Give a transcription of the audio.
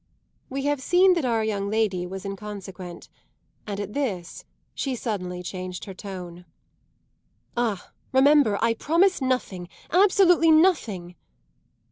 We have seen that our young lady was inconsequent, and at this she suddenly changed her note. "Ah, remember, I promise nothing absolutely nothing!"